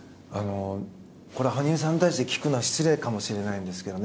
羽生さんに対して聞くのは失礼かもしれないですけど